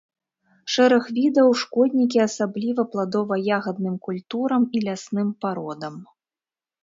Шэраг відаў шкоднікі, асабліва пладова-ягадным культурам і лясным пародам.